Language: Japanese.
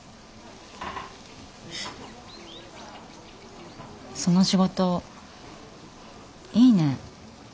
その仕事いいね。